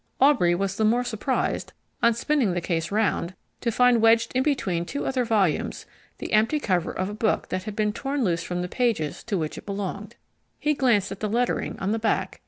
Aubrey was the more surprised, on spinning the the case round, to find wedged in between two other volumes the empty cover of a book that had been torn loose from the pages to which it belonged. He glanced at the lettering on the back.